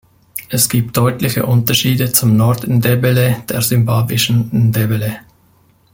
Es gibt deutliche Unterschiede zum Nord-Ndebele der simbabwischen Ndebele.